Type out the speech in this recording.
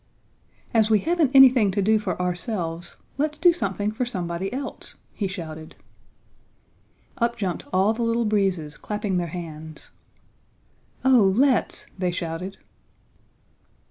"As we haven't anything to do for ourselves let's do something for somebody else!" he shouted. Up jumped all the Little Breezes, clapping their hands. "Oh let's!" they shouted.